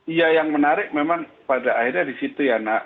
iya yang menarik memang pada akhirnya di situ ya nak